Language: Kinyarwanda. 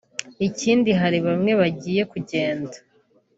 ikindi hari bamwe bagiye kugenda